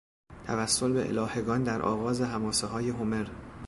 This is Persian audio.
توسل به الهگان در آغاز حماسههای هومر